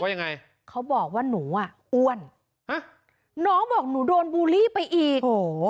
ยังไงเขาบอกว่าหนูอ่ะอ้วนฮะน้องบอกหนูโดนบูลลี่ไปอีกโอ้โห